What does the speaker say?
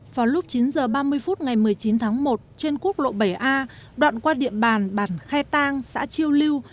vào lúc chín h ba mươi phút ngày một mươi chín tháng một trên quốc lộ bảy a đoạn qua địa bàn bản khe tang xã chiêu lưu